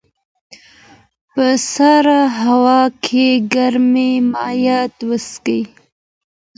په سړه هوا کې ګرمې مایعات وڅښئ.